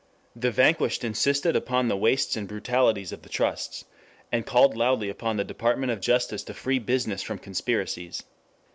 The vanquished insisted upon the wastes and brutalities of the trusts, and called loudly upon the Department of Justice to free business from conspiracies.